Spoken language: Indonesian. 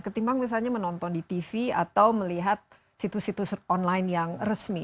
ketimbang misalnya menonton di tv atau melihat situs situs online yang resmi